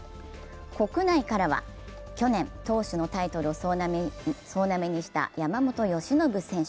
国内からは去年、投手のタイトルを総なめにした山本由伸選手。